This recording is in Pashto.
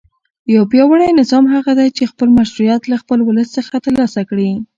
یو پیاوړی نظام هغه دی چې خپل مشروعیت له خپل ولس څخه ترلاسه کړي.